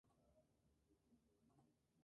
Los márgenes de los septa son lisos.